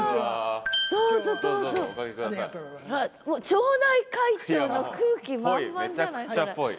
町内会長の空気満々じゃない？ぽい。